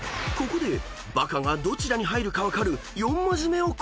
［ここで「バカ」がどちらに入るか分かる］